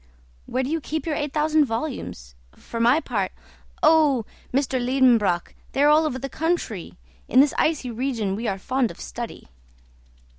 "Where do you keep your eight thousand volumes? For my part " "Oh, M. Liedenbrock, they are all over the country. In this icy region we are fond of study.